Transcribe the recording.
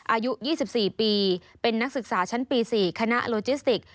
อายุ๒๔ปีเป็นนักศึกษาชั้นปี๔คณะโลจิสติก